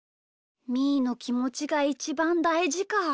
みーのきもちがいちばんだいじか。